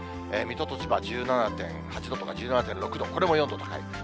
水戸と千葉は１７．８度とか１７．６度、これも４度高い。